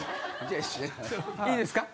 いいですか？